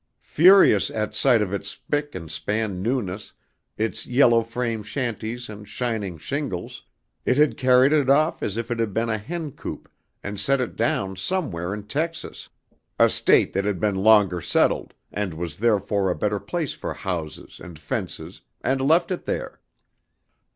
Furious at sight of its spick and span newness, its yellow frame shanties and shining shingles, it had carried it off as if it had been a hen coop and set it down somewhere in Texas, a state that had been longer settled and was therefore a better place for houses and fences, and left it there.